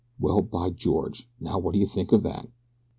Well, by George! Now what do you think of that?"